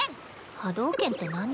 波動拳って何？